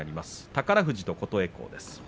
宝富士と琴恵光。